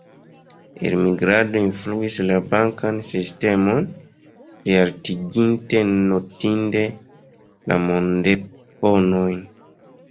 Elmigrado influis la bankan sistemon, plialtiginte notinde la mondeponojn.